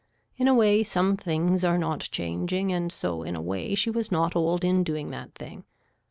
In a way somethings are not changing and so in a way she was not old in doing that thing.